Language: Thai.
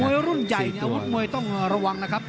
วยรุ่นใหญ่เนี่ยอาวุธมวยต้องระวังนะครับ